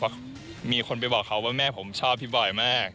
เพราะมีคนไปบอกเขาว่าแม่ผมชอบพี่บอยมาก